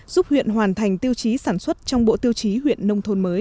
giúp huyện hoàn thành tiêu chí sản xuất trong bộ tiêu chí huyện nông thôn mới